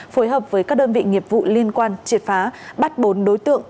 phối hợp với các đơn vị nghiệp vụ liên quan triệt phá bắt bốn đối tượng